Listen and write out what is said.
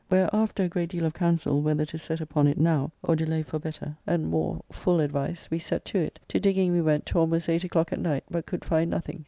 Where, after a great deal of council whether to set upon it now, or delay for better and more full advice, we set to it, to digging we went to almost eight o'clock at night, but could find nothing.